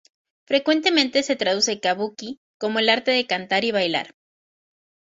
Frecuentemente se traduce "kabuki" como "el arte de cantar y bailar".